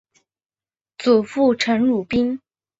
祖父陈鲁宾。